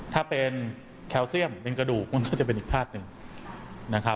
ถ้าเป็นแคลเซียมเป็นกระดูกมันก็จะเป็นอีกภาพหนึ่งนะครับ